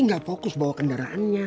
nanti gak fokus bawa kendaraannya